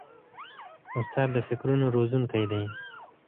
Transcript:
استاد د فکرونو روزونکی دی.